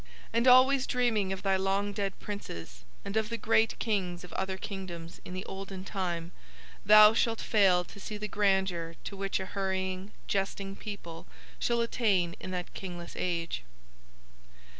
And always dreaming of thy long dead princes and of the great Kings of other kingdoms in the olden time thou shalt fail to see the grandeur to which a hurrying jesting people shall attain in that kingless age.